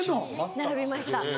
並びました。